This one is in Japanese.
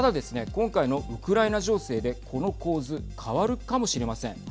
今回のウクライナ情勢でこの構図変わるかもしれません。